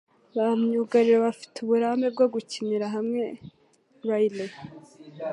Ba myugariro bafite uburambe bwo gukinira hamwe Riley